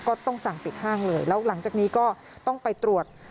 ก็ต้องสั่งปิดห้างเลยแล้วหลังจากนี้ก็ต้องไปตรวจ